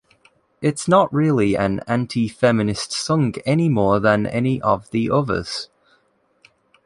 It's not really an anti-feminist song any more than any of the others...